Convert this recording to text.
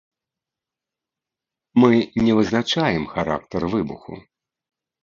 Мы не вызначаем характар выбуху.